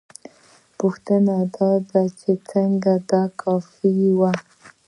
پوښتنه دا ده چې څنګه دا کافي وه؟